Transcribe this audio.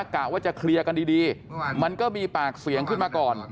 กะว่าจะเคลียร์กันดีมันก็มีปากเสียงขึ้นมาก่อน